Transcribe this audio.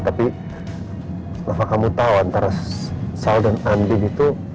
tapi kenapa kamu tau antara sal dan andien itu